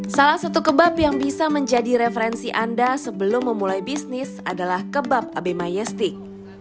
salah satu kebab yang bisa menjadi referensi anda sebelum memulai bisnis adalah kebab ab mayestik